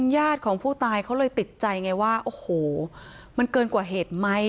ญาติของผู้ตายเขาเลยติดใจไงว่าโอ้โหมันเกินกว่าเหตุไหม